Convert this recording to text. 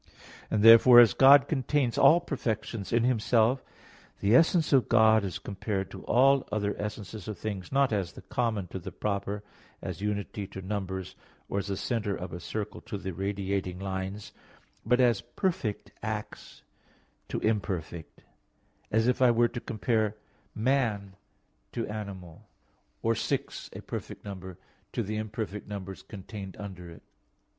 And therefore as God contains all perfections in Himself, the essence of God is compared to all other essences of things, not as the common to the proper, as unity is to numbers, or as the centre (of a circle) to the (radiating) lines; but as perfect acts to imperfect; as if I were to compare man to animal; or six, a perfect number, to the imperfect numbers contained under it.